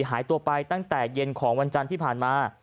หายตัวไปตั้งแต่เย็นของวันจันทร์ที่ผ่านมา